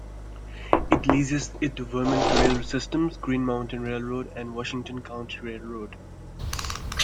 It leases it to Vermont Rail Systems, Green Mountain Railroad, and Washington County Railroad.